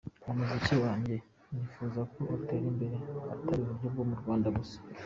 Umuziki wanjye nifuza ko utera imbere; atari uburyo bwo mu Rwanda gusa.